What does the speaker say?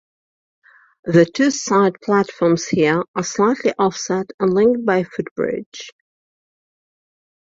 The two side platforms here are slightly offset and linked by a footbridge.